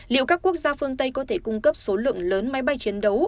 liệu các quốc gia phương tây có thể cung cấp số lượng lớn máy bay chiến đấu